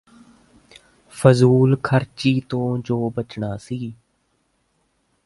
ਫਜ਼ੂਲ ਖਰਚੀ ਤੋਂ ਜੁ ਬਚਣਾ ਸੀ